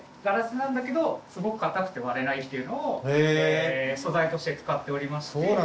ガラスなんだけどすごく硬くて割れないっていうのを素材として使っておりまして。